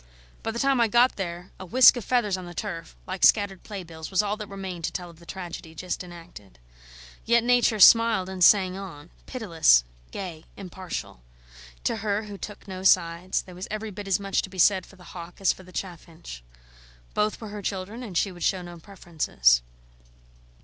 By the time I got there a whisk of feathers on the turf like scattered playbills was all that remained to tell of the tragedy just enacted. Yet Nature smiled and sang on, pitiless, gay, impartial. To her, who took no sides, there was every bit as much to be said for the hawk as for the chaffinch. Both were her children, and she would show no preferences.